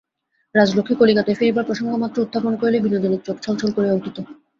রাজলক্ষ্মী কলিকাতায় ফিরিবার প্রসঙ্গমাত্র উত্থাপন করিলে বিনোদিনীর চোখ ছলছল করিয়া উঠিত।